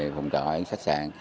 phòng trợ khách sạn